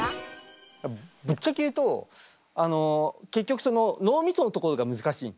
ぶっちゃけ言うと結局その脳みそのところが難しい。